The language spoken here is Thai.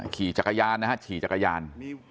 ขี่จักรยานนะฮะขี่จักรยาน